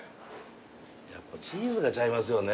やっぱチーズがちゃいますよね